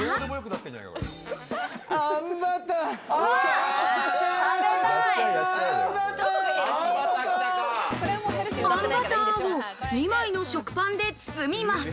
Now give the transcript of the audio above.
あんバターを２枚の食パンで包みます。